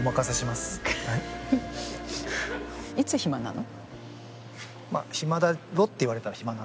いつ暇なの？